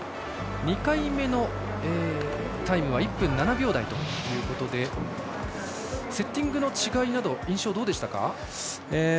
２回目のタイムは１分７秒台ということでセッティングの違いなど印象、どうでしたか？